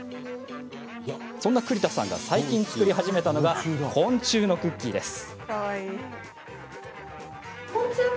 そんな栗田さんが最近、作り始めたのが昆虫のクッキーです。